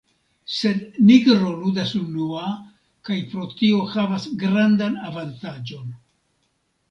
Sed Nigro ludas unua kaj pro tio havas grandan avantaĝon.